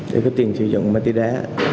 để có tiền sử dụng ma tùy đá